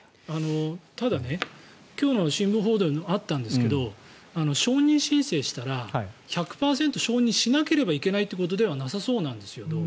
ただ、今日の新聞報道にもあったんですが承認申請したら１００％承認しなければいけないということではなさそうなんですよ。